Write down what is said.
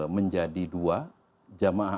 menjadi dua jamaah